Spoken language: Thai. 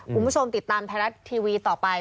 คุณผู้ชมติดตามไทยรัฐทีวีต่อไป